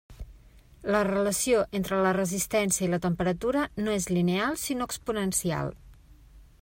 La relació entre la resistència i la temperatura no és lineal sinó exponencial.